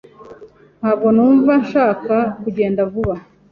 Ntabwo numva nshaka kugenda vuba.